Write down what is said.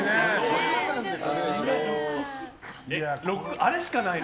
あれしかないの？